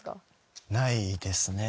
ないですね。